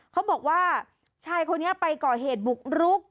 เขาบอกว่าชายคนนี้ไปก่อเหตุบุกรุก